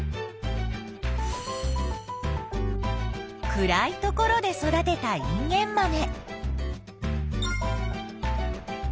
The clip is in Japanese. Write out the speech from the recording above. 暗い所で育てたインゲンマメ。